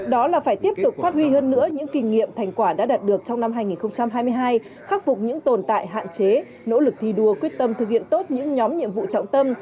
đó là phải tiếp tục phát huy hơn nữa những kinh nghiệm thành quả đã đạt được trong năm hai nghìn hai mươi hai khắc phục những tồn tại hạn chế nỗ lực thi đua quyết tâm thực hiện tốt những nhóm nhiệm vụ trọng tâm